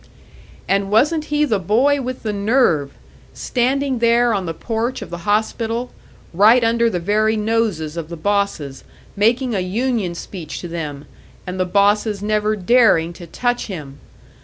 And wasn't he the boy with the nerve! Standing there on the porch of the hospital, right under the very noses of the bosses, making a union speech to them, and the bosses never daring to touch him!